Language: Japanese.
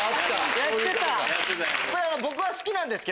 やってた！